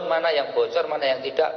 mana yang bocor mana yang tidak